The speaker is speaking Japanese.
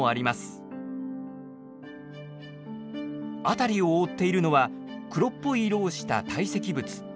辺りを覆っているのは黒っぽい色をした堆積物。